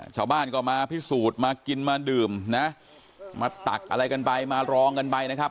ชาวบ้านก็มาพิสูจน์มากินมาดื่มนะมาตักอะไรกันไปมารองกันไปนะครับ